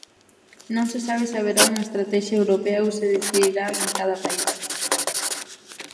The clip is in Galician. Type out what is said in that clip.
Non se sabe se haberá unha estratexia europea ou se decidirá en cada país.